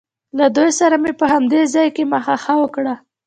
له دوی سره مې په همدې ځای کې مخه ښه وکړ.